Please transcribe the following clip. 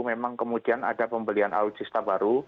memang kemudian ada pembelian alutsista baru